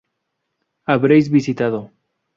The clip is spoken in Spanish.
Habréis visitado